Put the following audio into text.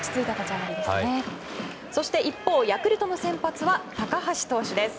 一方、ヤクルトの先発は高橋投手です。